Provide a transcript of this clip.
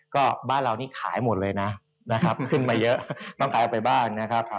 ก็บ้านเรานี่ขายหมดเลยนะนะครับขึ้นมาเยอะต้องขายออกไปบ้างนะครับ